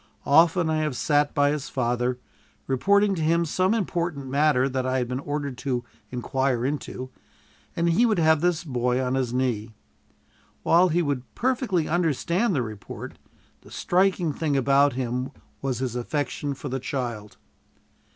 Often I have sat by his father, reporting to him some important matter that I had been ordered to inquire into, and he would have this boy on his knee. While he would perfectly understand the report, the striking thing about him was his affection for the child.